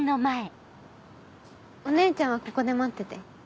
お姉ちゃんはここで待ってて。